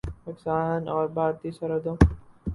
پاکستان اور بھارتی سرحدوں